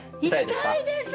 痛いですね！